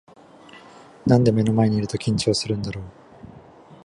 なんで目の前にいると緊張するんだろう